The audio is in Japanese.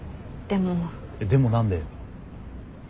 でも何だよ。